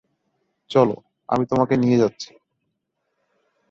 চলো, আমি তোমাকে নিয়ে যাচ্ছি।